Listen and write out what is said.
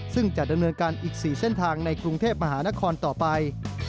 ซึ่งจะดำเนินการอีก๔เส้นทางในกรุงเทพมหานครต่อไป